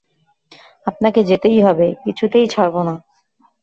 আপনাকে যেতেই হবে, কিছুতেই ছাড়ব না।